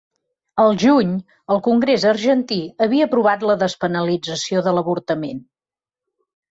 Al juny, el congrés argentí havia aprovat la despenalització de l’avortament.